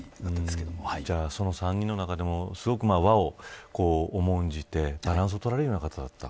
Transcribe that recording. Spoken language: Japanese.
その３人の中でも和を重んじてバランスを取られる方だった。